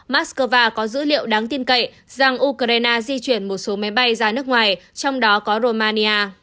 moscow có dữ liệu đáng tin cậy rằng ukraine di chuyển một số máy bay ra nước ngoài trong đó có romania